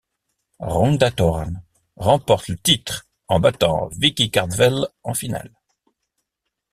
Rhonda Thorne remporte le titre en battant Vicki Cardwell en finale.